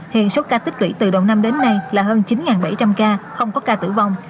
hiện số ca tích lũy từ đầu năm đến nay là hơn chín bảy trăm linh ca không có ca tử vong